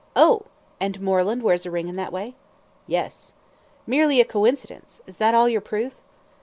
"Oh! And Moreland wears a ring in that way?" "Yes!" "Merely a coincidence. Is that all your proof?"